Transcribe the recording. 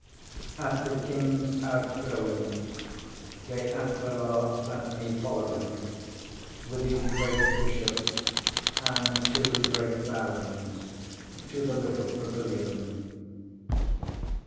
ŌĆśAt the KingŌĆÖs outgoing De Aquila bade me follow him, with his great bishops and two great barons, to the little pavilion.